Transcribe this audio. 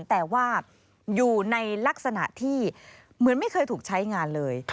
แต่ว่าอยู่ในลักษณะที่เหมือนไม่เคยถูกใช้งานเลย